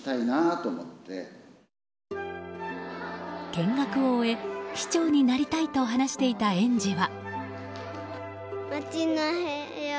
見学を終え、市長になりたいと話していた園児は。